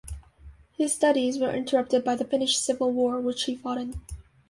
His studies were interrupted by the Finnish Civil War, which he fought in.